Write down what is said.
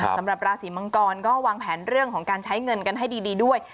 สำหรับราศีมังกรก็วางแผนเรื่องของการใช้เงินกันให้ดีด้วย